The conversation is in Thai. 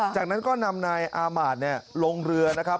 จากนั้นก็นำนายอามาตย์ลงเรือนะครับ